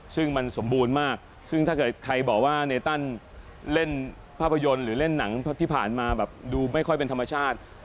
ซึ่งมันสมบูรณ์มากซึ่งถ้าเกิดใครบอกว่าเนตันเล่นภาพยนตร์หรือเล่นหนังที่ผ่านมาแบบดูไม่ค่อยเป็นธรรมชาติ